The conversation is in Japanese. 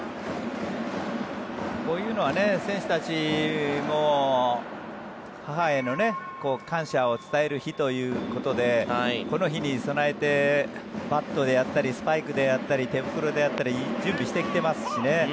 こういうのは選手たちも母への感謝を伝える日ということでこの日に備えてバットであったりスパイクであったり手袋であったり準備してきてますしね。